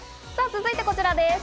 続いてこちらです。